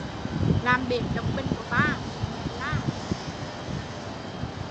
Làm bể độc bình của ba, bị mẹ la